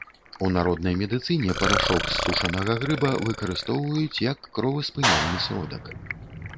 У народнай медыцыне парашок з сушанага грыба выкарыстоўваюць як кроваспыняльны сродак.